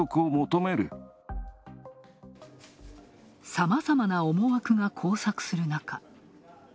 さまざまな思惑が交錯する中。